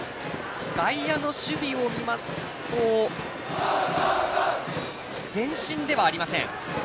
外野の守備を見ますと前進ではありません。